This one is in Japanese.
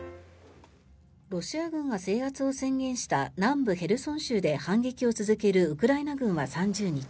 ロシア軍が制圧を宣言した南部ヘルソン州で反撃を続けるウクライナ軍は３０日